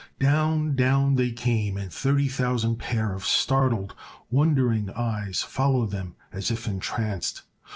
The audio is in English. Down, down they came, and thirty thousand pair of startled, wondering eyes followed them as if entranced.